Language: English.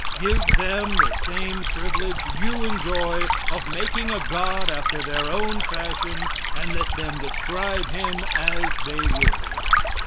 Give them the same privilege you enjoy of making a god after their own fashion, and let them describe him as they will.